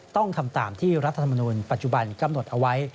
ต้องทำตามที่รัฐธรรมนูลปัจจุบันกำหนดเอาไว้